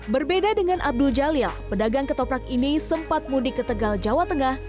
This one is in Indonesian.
berbeda dengan abdul jalil pedagang ketoprak ini sempat mudik ke tegal jawa tengah